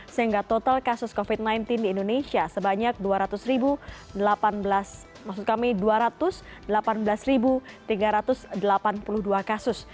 sehingga total kasus covid sembilan belas di indonesia sebanyak dua ratus delapan belas tiga ratus delapan puluh dua kasus